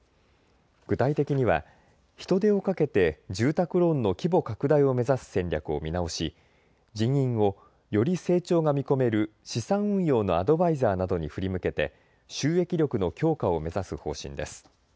具体的には人手をかけて住宅ローンの規模拡大を目指す戦略を見直し、人員をより成長が見込める資産運用のアドバイザーなどに振り向けて収益力の強化を目指す方針です。